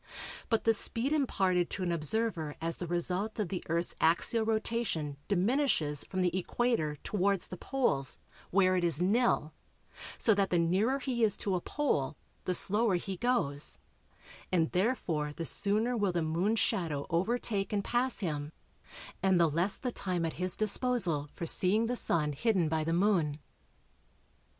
But the speed imparted to an observer as the result of the Earth's axial rotation diminishes from the equator towards the poles where it is nil, so that the nearer he is to a pole the slower he goes, and therefore the sooner will the Moon's shadow overtake and pass him, and the less the time at his disposal for seeing the Sun hidden by the Moon.